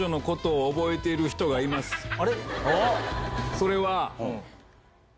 それは。